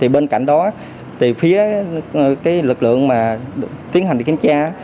bên cạnh đó phía lực lượng tiến hành kiểm tra